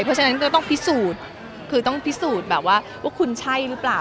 เพราะฉะนั้นก็ต้องพิสูจน์คือต้องพิสูจน์แบบว่าว่าคุณใช่หรือเปล่า